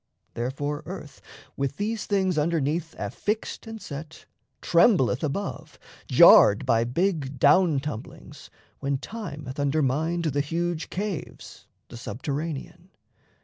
Therefore, earth, With these things underneath affixed and set, Trembleth above, jarred by big down tumblings, When time hath undermined the huge caves, The subterranean.